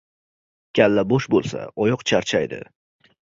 • Kalla bo‘sh bo‘lsa, oyoq charchaydi.